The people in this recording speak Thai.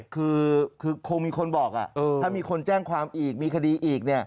คือคงมีคนบอกถ้ามีคนแจ้งความอีกมีคดีอีก